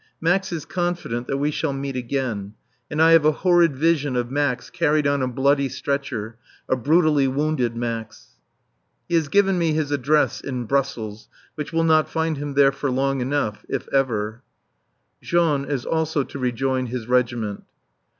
Max is confident that we shall meet again; and I have a horrid vision of Max carried on a bloody stretcher, a brutally wounded Max. He has given me his address in Brussels, which will not find him there for long enough: if ever. Jean also is to rejoin his regiment.